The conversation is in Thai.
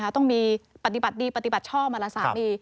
ต้องมีปฏิบัติดีปฏิบัติชอบมาละสามี